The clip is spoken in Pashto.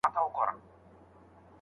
عشرت له کوم مخالطت سره تړاو لري؟